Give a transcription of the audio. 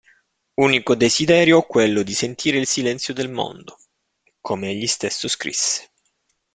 Unico desiderio quello di "sentire il silenzio del mondo", come egli stesso scrisse.